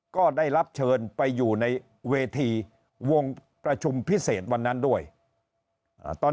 ก็ได้รับเชิญไปอยู่ในเวทีวงประชุมพิเศษวันนั้นด้วยตอน